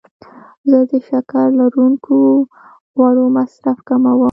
زه د شکر لرونکو خوړو مصرف کموم.